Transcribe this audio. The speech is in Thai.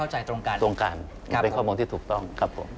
ใจตรงกันตรงกันเป็นข้อมูลที่ถูกต้องครับผม